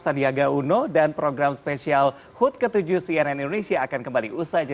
sandiaga uno dan program spesial hut ke tujuh cnn indonesia akan kembali usai